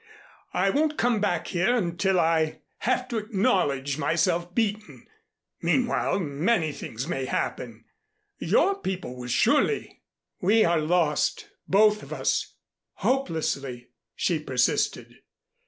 I won't come back here until I have to acknowledge myself beaten. Meanwhile, many things may happen. Your people will surely " "We are lost, both of us hopelessly," she persisted.